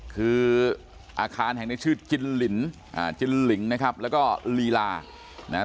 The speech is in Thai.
คืออาคารแห่งนี้ชื่อจินลินอ่าจินลิงนะครับแล้วก็ลีลานะฮะ